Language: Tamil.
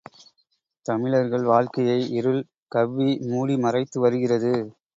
தமிழர்கள் வாழ்க்கையை இருள் கவ்வி மூடிமறைத்து வருகிறது.